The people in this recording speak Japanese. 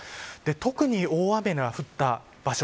特に大雨が降った場所